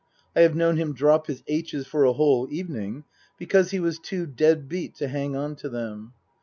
I have known him drop his aitches for a whole evening because he was too dead beat to hang on to them.